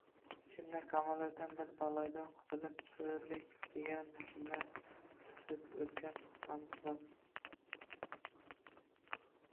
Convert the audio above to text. Ichimdan Kamoliddin bir balodan qutulibdi, sho`rlik degan jumla sizib o`tgani ham rost